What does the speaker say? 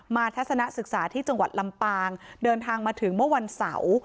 ทัศนศึกษาที่จังหวัดลำปางเดินทางมาถึงเมื่อวันเสาร์